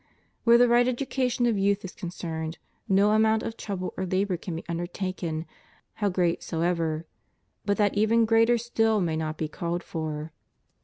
Where the right education of youth is con cerned, no amount of trouble or labor can be undertaken, how great soever, but that even greater still may not be called for.